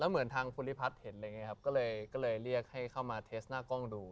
แล้วเหมือนทางฟุริภัทรเห็นเลยเรียกให้เข้ามาเทสหน้ากล้องดู